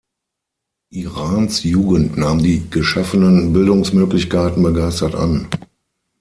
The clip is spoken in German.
Irans Jugend nahm die geschaffenen Bildungsmöglichkeiten begeistert an.